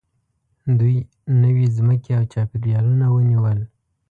دوی نوې ځمکې او چاپېریالونه ونیول.